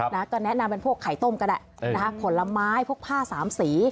นะก็แนะนำเป็นพวกไข่ต้มก็ได้นะคะผลไม้พวกผ้าสามสี